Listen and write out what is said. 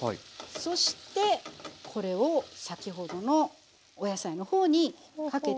そしてこれを先ほどのお野菜の方にかけていきましょう。